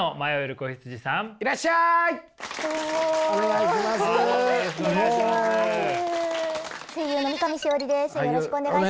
声優の三上枝織です。